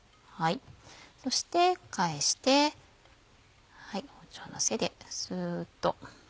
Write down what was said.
そして返して包丁の背でスっと。